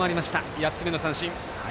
８つ目の三振。